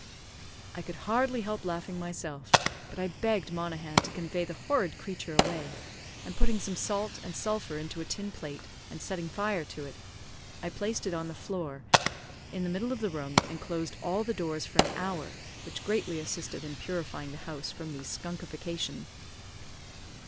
I could hardly help laughing myself; but I begged Monaghan to convey the horrid creature away, and putting some salt and sulphur into a tin plate, and setting fire to it, I placed it on the floor in the middle of the room, and closed all the doors for an hour, which greatly assisted in purifying the house from the skunkification.